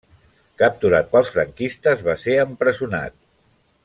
Capturat pels franquistes, va ser empresonat.